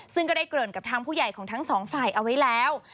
ซึ่งก็ได้เกริ่นกับทางผู้ใหญ่ของทั้งสองฝ่ายเอาไว้แล้ว